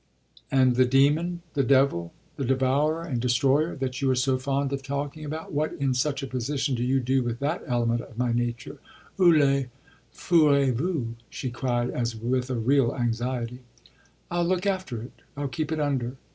"And the demon, the devil, the devourer and destroyer, that you are so fond of talking about: what, in such a position, do you do with that element of my nature? Où le fourrez vous?" she cried as with a real anxiety. "I'll look after it, I'll keep it under.